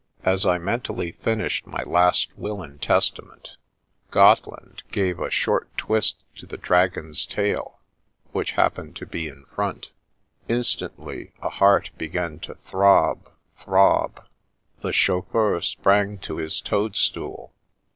As I mentally finished my last will and testament, Gotteland gave a short twist to the dragon's tail, which happened to be in front. Instantly a heart began to throb, throb. The chauffeur sprang to his toadstool.